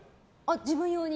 自分用に？